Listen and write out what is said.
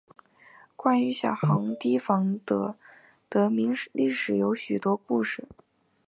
关于小孩堤防的得名历史有许多故事。